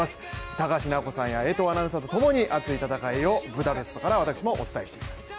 高橋尚子さんや江藤アナウンサーとともに熱い戦いをブダペストから現地からお伝えします。